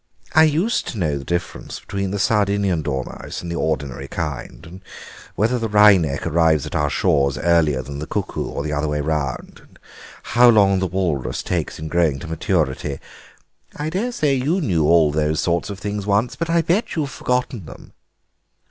I used to know the difference between the Sardinian dormouse and the ordinary kind, and whether the wry neck arrives at our shores earlier than the cuckoo, or the other way round, and how long the walrus takes in growing to maturity; I daresay you knew all those sorts of things once, but I bet you've forgotten them."